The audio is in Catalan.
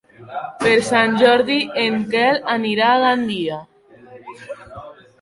Per Sant Jordi en Quel anirà a Gandia.